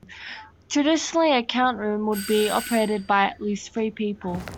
Traditionally, a count room would be operated by at least three people.